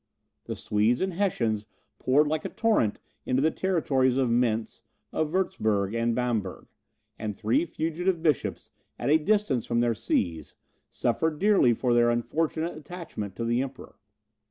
The Swedes and Hessians poured like a torrent into the territories of Mentz, of Wurtzburg, and Bamberg, and three fugitive bishops, at a distance from their sees, suffered dearly for their unfortunate attachment to the Emperor.